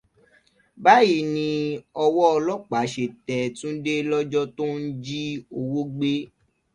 Báyìí nì ọwọ́ ọlọ́pàá ṣé tẹ Túndé lọ́jọ́ tó ń jí owó gbé